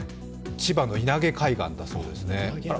千葉の稲毛海岸だそうですね。